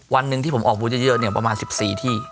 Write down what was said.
วันนึงที่ผมออกวูธเยอะประมาณ๑๔ที่